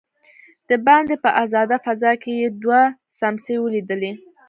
دباندې په آزاده فضا کې يې دوه سمڅې وليدلې.